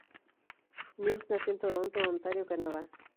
Mills nació en Toronto, Ontario, Canadá.